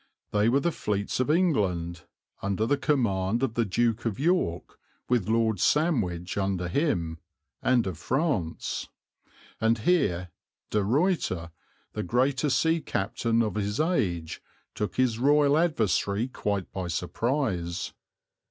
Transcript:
They were the fleets of England, under the command of the Duke of York, with Lord Sandwich under him, and of France; and here De Ruyter, the greatest sea captain of his age, took his royal adversary quite by surprise.